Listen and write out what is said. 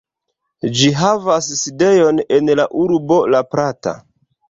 Ĝi havas sidejon en la urbo La Plata.